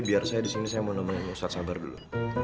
biar saya disini mau temen ustadz sabar dulu